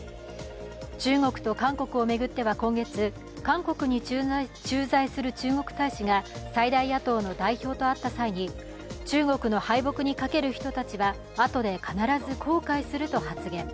中国と韓国を巡っては今月、韓国に駐在する中国大使が最大野党の代表と会った際に中国の敗北にかける人たちはあとで必ず後悔すると発言。